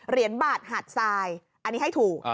เหรียญบาทหัดทรายอันนี้ให้ถูก